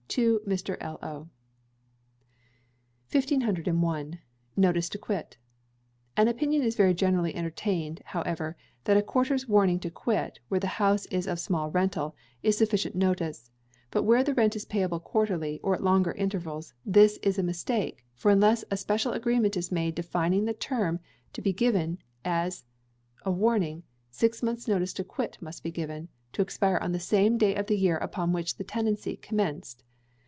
To Mr. L. O. 1501. Notice to Quit. An opinion is very generally entertained, however, that a quarter's warning to quit, where the house is of small rental, is sufficient notice; but where the rent is payable quarterly, or at longer intervals, this is a mistake, for unless a special agreement is made defining the time to be given as a warning, six months' notice to quit must be given, to expire on the same day of the year upon which the tenancy commenced.